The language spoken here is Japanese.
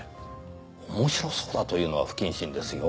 面白そうだというのは不謹慎ですよ。